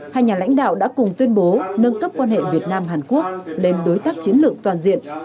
hai nhà lãnh đạo đã cùng tuyên bố nâng cấp quan hệ việt nam hàn quốc lên đối tác chiến lược toàn diện